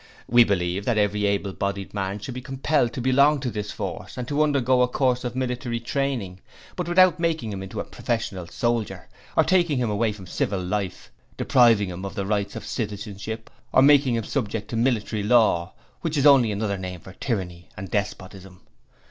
We believe that every able bodied man should be compelled to belong to this force and to undergo a course of military training, but without making him into a professional soldier, or taking him away from civil life, depriving him of the rights of citizenship or making him subject to military "law" which is only another name for tyranny and despotism.